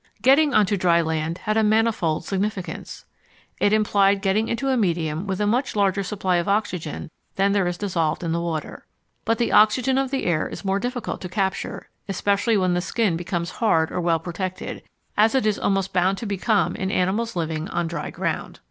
Getting on to dry land had a manifold significance. It implied getting into a medium with a much larger supply of oxygen than there is dissolved in the water. But the oxygen of the air is more difficult to capture, especially when the skin becomes hard or well protected, as it is almost bound to become in animals living on dry ground.